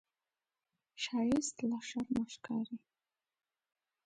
ښایست له شرمه ښکاري